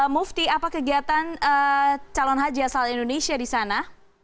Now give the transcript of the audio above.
mufti apa kegiatan calon haji asal indonesia di sana